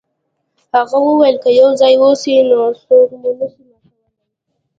هغه وویل که یو ځای اوسئ نو څوک مو نشي ماتولی.